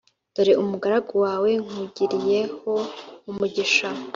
dore umugaragu wawe nkugiriyeho umugisha